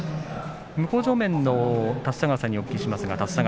向正面の立田川さんに伺います。